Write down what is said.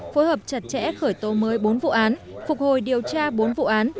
phối hợp chặt chẽ khởi tố mới bốn vụ án phục hồi điều tra bốn vụ án